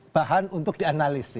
bahan untuk dianalisis